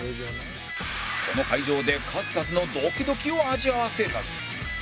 この会場で数々のドキドキを味わわせる